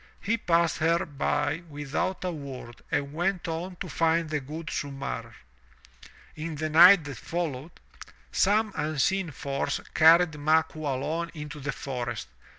He passed her by without a word and went on to find the good Sumarr. In the night that followed, some unseen force carried Ma 204 THROUGH FAIRY HALLS Qualoan into the forest.